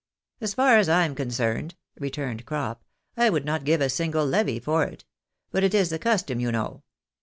"" As far as I'm concerned," returned Crop, " I would not give a single levy for it. But it is the custom, you know.